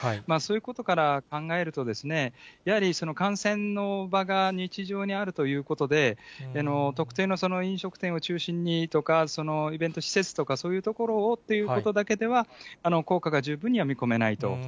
そういうことから考えると、やはり感染の場が日常にあるということで、特定の飲食店を中心にとか、イベント施設とか、そういうところをっていうことだけでは効果が十分には見込めないと。